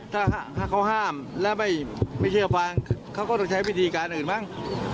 ถ้าเขาห้ามแล้วไม่เชื่อฟังเขาก็ต้องใช้วิธีการอื่นมั้ง